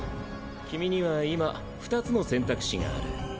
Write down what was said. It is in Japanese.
君には今２つの選択肢がある。